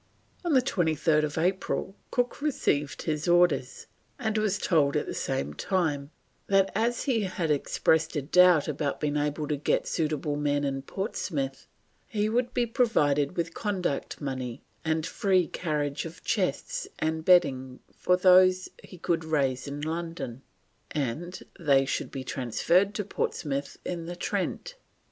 On 23rd April Cook received his orders, and was told at the same time that as he had expressed a doubt about being able to get suitable men in Portsmouth, he would be provided with conduct money and free carriage of chests and bedding for those he could raise in London, and they should be transferred to Portsmouth in the Trent.